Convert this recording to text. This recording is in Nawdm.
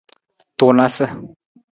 Tunasa.